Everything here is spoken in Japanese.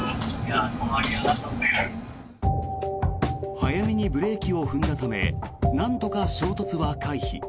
早めにブレーキを踏んだためなんとか衝突は回避。